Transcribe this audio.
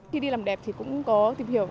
khi đi làm đẹp thì cũng có tìm hiểu